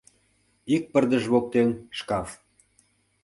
Ик пырдыж воктен шкаф.